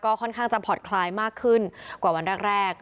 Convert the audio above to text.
ค่อนข้างจะผ่อนคลายมากขึ้นกว่าวันแรก